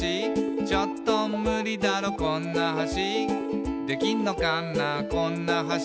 「ちょっとムリだろこんな橋」「できんのかなこんな橋」